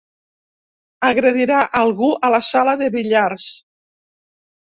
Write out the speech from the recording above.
Agredirà algú a la sala de billars.